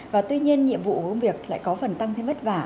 và tuy nhiên nhiệm vụ của công việc lại có phần tăng thêm vất vả